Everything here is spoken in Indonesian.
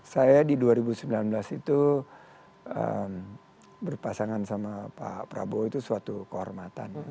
saya di dua ribu sembilan belas itu berpasangan sama pak prabowo itu suatu kehormatan